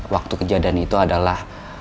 waktu kejadian itu adalah